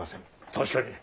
確かに。